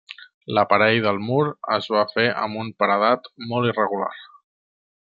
L'aparell del mur es va fer amb un paredat molt irregular.